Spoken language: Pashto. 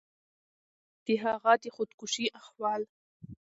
د هغه د خودکشي احوال